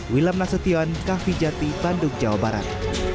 wilam nasution kahvijati bandung jawa barat